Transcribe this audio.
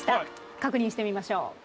確認してみましょう。